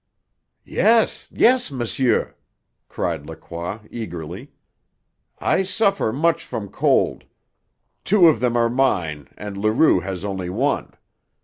"Yes, yes, monsieur!" cried Lacroix eagerly. "I suffer much from cold. Two of them are mine, and Leroux has only one.